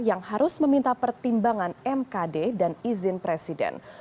yang harus meminta pertimbangan mkd dan izin presiden